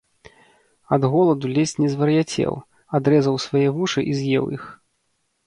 Ад голаду ледзь не звар’яцеў, адрэзаў свае вушы і з’еў іх